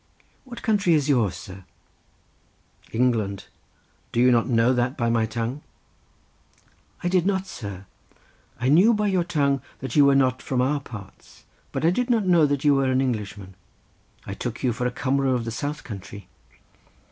"What country is yours, sir?" "England. Did you not know that by my tongue?" "I did not, sir. I knew by your tongue that you were not from our parts—but I did not know that you were an Englishman. I took you for a Cumro of the south country."